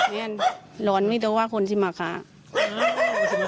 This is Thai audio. เล่นลวนที่หวานคนศิมานาคา